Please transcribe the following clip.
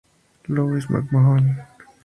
Louis McMahon.